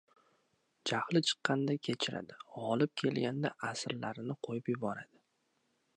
jahli chiqqanda — kechiradi, g‘olib kelganda — asirlarni qo‘yib yuboradi